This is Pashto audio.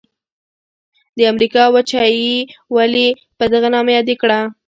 د امریکا وچه یې ولي په دغه نامه یاده کړه؟